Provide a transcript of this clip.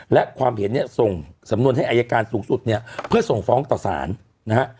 และความเห็นเนี่ยส่งสำนวนให้อายการสูงสุดเนี่ยเพื่อส่งฟ้องต่อสารนะฮะ